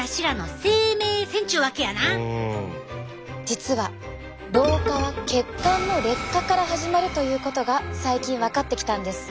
実は老化は血管の劣化から始まるということが最近分かってきたんです。